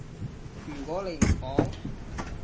如果你唔講